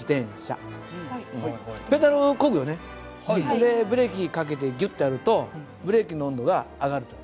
でブレーキかけてぎゅってやるとブレーキの温度が上がると。